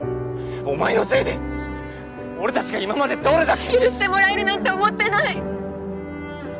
お前のせいで俺たちが今までどれだけ！許してもらえるなんて思ってない！